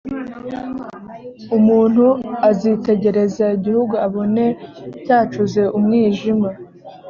umuntu azitegereza igihugu abone cyacuze umwijima